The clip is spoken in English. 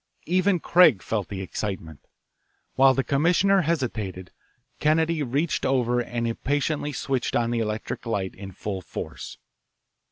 Even Craig felt the excitement. While the commissioner hesitated, Kennedy reached over and impatiently switched on the electric light in full force.